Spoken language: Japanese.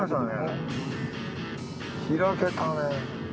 開けたね。